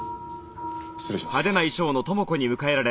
失礼します。